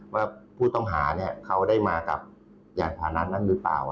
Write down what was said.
ว่าผู้ตำหาเขาได้มากับยางผนะนั้นหรือเปล่า